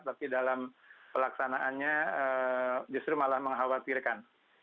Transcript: tapi dalam pelaksanaannya justru malah mengkhawatirkan